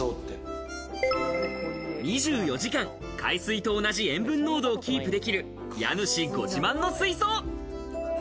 ２４時間、海水と同じ塩分濃度をキープできる家主ご自慢の水槽。